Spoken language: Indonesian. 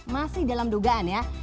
masih dalam dugaan ya